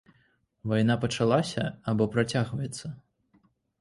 Вайна пачалася або працягваецца?